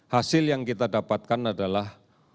hasil yang kita dapatkan adalah